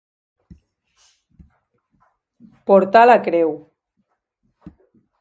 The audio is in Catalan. Portar la creu.